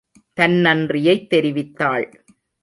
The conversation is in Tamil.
தன் நன்றியைத் தெரிவித்தாள்.